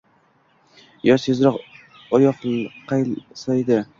Yoz tezroq oyoqlayqolsaydi